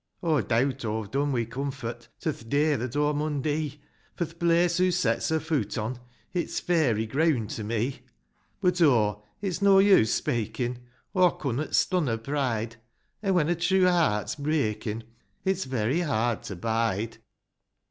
IV. " Aw deawt' aw've done wi comfort To th' day that aw mun dee. For th' place hoo sets her fuut on, It's fairy greawnd^ to me ; But, oh, it's no use speykin', Aw connut ston her pride ; An' when a true heart's breykin' It's very hard to bide